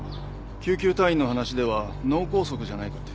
救急隊員の話では脳梗塞じゃないかって。